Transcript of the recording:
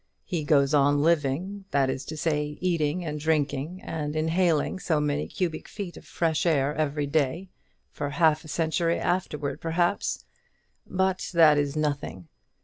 He goes on living; that is to say, eating and drinking, and inhaling so many cubic feet of fresh air every day, for half a century afterwards, perhaps; but that is nothing.